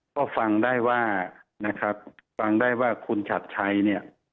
ก็ฟังได้ว่านะครับฟังได้ว่าคุณชัดชัยเนี่ย